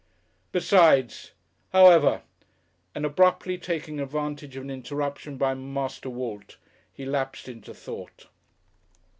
"Besides ! However " And abruptly, taking advantage of an interruption by Master Walt, he lapsed into thought.